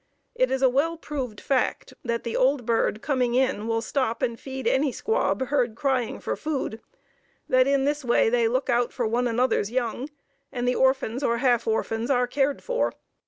It is a well proved fact that the old bird coming in will stop and feed any squab heard crying for food, that in this way they look out for one another's young, and the orphans or half orphans are cared for.